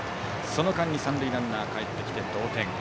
その間に三塁ランナーがかえってきて同点。